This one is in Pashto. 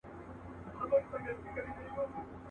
له ازله مي راوړي پر تندي باندي زخمونه.